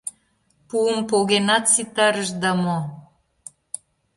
Пуым погенат ситарышда мо?